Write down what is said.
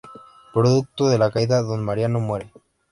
Producto de la caída don Mariano muere.